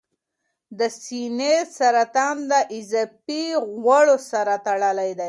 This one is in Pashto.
د سینې سرطان د اضافي غوړو سره تړلی دی.